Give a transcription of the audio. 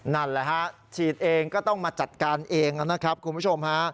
นั่นแหละฮะฉีดเองก็ต้องมาจัดการเองนะครับคุณผู้ชมฮะ